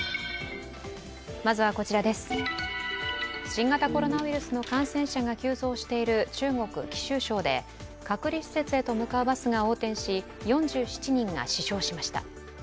新型コロナウイルスの感染者が急増している中国・貴州省で隔離施設へと向かうバスが横転し４７人が死傷しました。